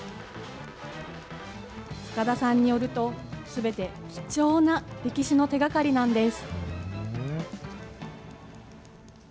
塚田さんによると、すべて貴重な歴史の手がかりなんです。